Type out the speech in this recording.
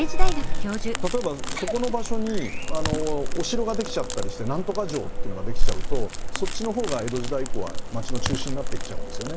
例えばそこの場所にお城ができちゃったりして何とか城っていうのができちゃうとそっちの方が江戸時代以降は街の中心になっていっちゃうんですよね。